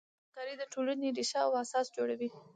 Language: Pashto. همکاري د ټولنې ریښه او اساس جوړوي.